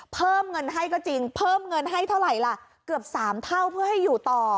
เพิ่มเงินให้ก็จริงเพิ่มเงินให้เท่าไหร่ล่ะเกือบ๓เท่าเพื่อให้อยู่ต่อ